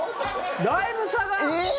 だいぶ差が。